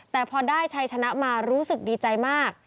แต่พอได้ชัยชนะมารู้สึกดีใจมาก